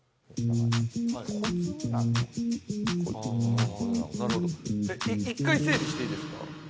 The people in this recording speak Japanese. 小粒なのああなるほど一回整理していいですか？